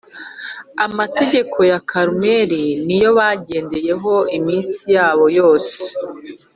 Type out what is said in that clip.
amategeko ya Karumeli niyo bagendeyeho iminsi yabo yose